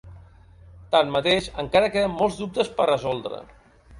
Tanmateix, encara queden molts dubtes per resoldre.